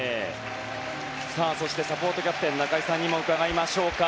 そして、サポートキャプテンの中居さんにも伺います。